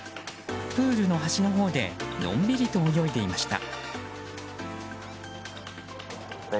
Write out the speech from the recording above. プールの端のほうでのんびりと泳いでいました。